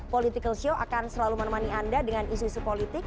political show akan selalu menemani anda dengan isu isu politik